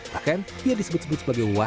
bahkan ia disebut sebut sebagai warganet